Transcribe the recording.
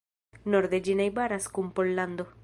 Norde ĝi najbaras kun Pollando.